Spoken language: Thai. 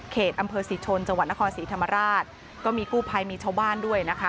อำเภอศรีชนจังหวัดนครศรีธรรมราชก็มีกู้ภัยมีชาวบ้านด้วยนะคะ